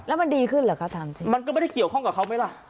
แล้วมันดีขึ้นเหรอคะถามจริงมันก็ไม่ได้เกี่ยวข้องกับเขาไหมล่ะ